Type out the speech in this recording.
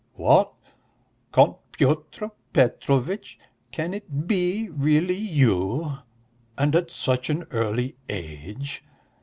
"What, Count Pyotr Petrovitch?... Can it be really you ... and at such an early age?